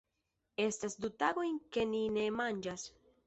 Estas du tagojn ke ni ne manĝas.